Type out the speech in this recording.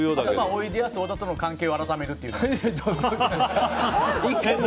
おいでやす小田との関係を改めるっていうのは？